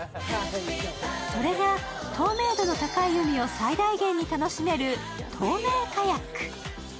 それが、透明度の高い海を最大限に楽しめる透明カヤック。